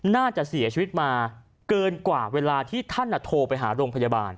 น่าจะเสียชีวิตมาเกินกว่าเวลาที่ท่านโทรไปหาโรงพยาบาล